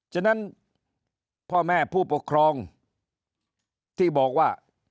ฉะนั้นพ่อแม่ผู้ปกครองที่บอกว่า